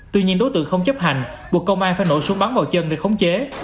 tuy nhiên đối tượng không chấp hành buộc công an phải nổ súng bắn vào chân để khống chế